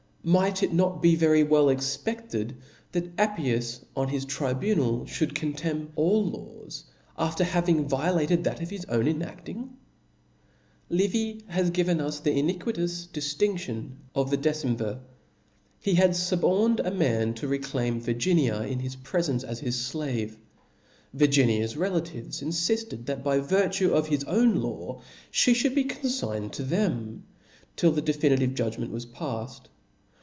Might it not be Very well expefted that Appius on his tribu nal fhould contemn all laws, after having vio (») Sec the latcd that of his own (*) enacting? Livy has ' *d^^ § given us the iniquitous diftindion of the Decem ^rig.jur. vir. He had fuborned a man to reclaim Virginia in his prefence as his flave ; Virginia's relations infifted, that by virtue of his own law (he (hould be configned to them, till the definitive judgment was pafled.